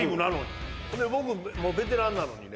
で僕もうベテランなのにね